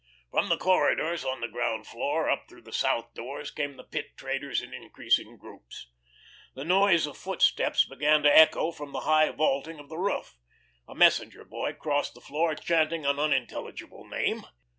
From the corridors on the ground floor up through the south doors came the pit traders in increasing groups. The noise of footsteps began to echo from the high vaulting of the roof. A messenger boy crossed the floor chanting an unintelligible name.